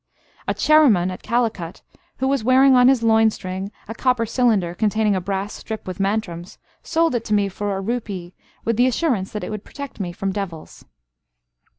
A Cheruman at Calicut, who was wearing on his loin string a copper cylinder containing a brass strip with mantrams, sold it to me for a rupee with the assurance that it would protect me from devils.